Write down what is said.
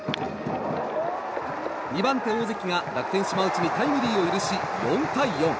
２番手、大関が楽天、島内にタイムリーを許し４対４。